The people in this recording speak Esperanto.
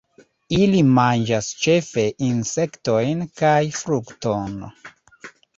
Ili manĝas ĉefe insektojn kaj frukton.